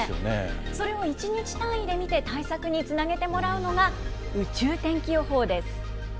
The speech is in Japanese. それを１日単位で見て対策につなげてもらうのが、宇宙天気予報です。